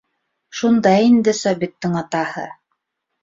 Шунда инде Сабиттың атаһы!